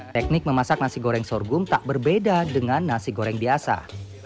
teknik memasak nasi goreng sorghum tak berbeda dengan nasi goreng biasa